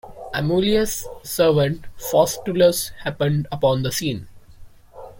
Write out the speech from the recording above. Amulius' servant Faustulus, happened upon the scene.